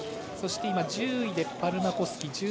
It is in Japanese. そして、１０位でパルマコスキ。